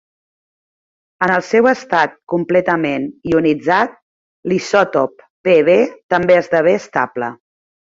En el seu estat completament ionitzat, l'isòtop Pb també esdevé estable.